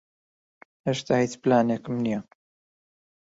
ھێشتا ھیچ پلانێکم نییە.